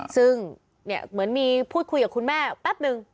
ซึ่งเหมือนมีพูดคุยกับคุณแม่แป๊บนึง